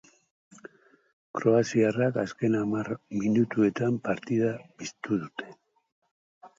Kroaziarrak azken hamar minutuetan partida bizitu zuen.